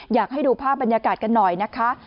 อยากให้ดูภาพบรรยากาศกันหน่อยนะคะ